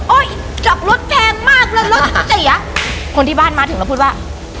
เออโอ๊ยจับรถแพงมากแล้วรถกูเสียคนที่บ้านมาถึงแล้วพูดว่า